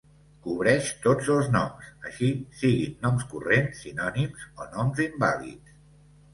Cobreix tots els noms, així siguin noms corrents, sinònims o noms invàlids.